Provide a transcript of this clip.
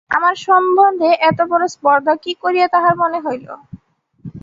আমার সম্বন্ধে এতবড়ো স্পর্ধা কী করিয়া তাহার মনে হইল।